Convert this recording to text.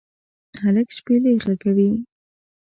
هلک شپیلۍ ږغوي